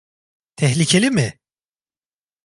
Tehlikeli mi?